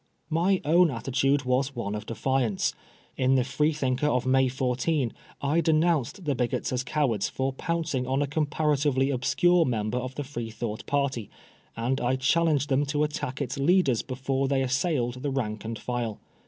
My own attitude was one of defiance. In the J?Vee thinker of May 14 I denounced the bigots as cowards for pouncing on a comparatively obscure member of the Freethought party, and I challenged them to attack its leaders before they assailed the rank and file.